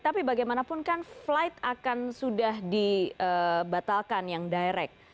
tapi bagaimanapun kan flight akan sudah dibatalkan yang direct